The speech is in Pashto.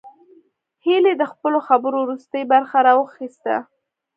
هيلې د خپلو خبرو وروستۍ برخه راواخيسته